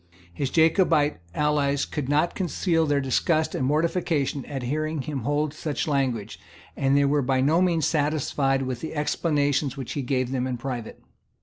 His Jacobite allies could not conceal their disgust and mortification at hearing him hold such language, and were by no means satisfied with the explanations which he gave them in private.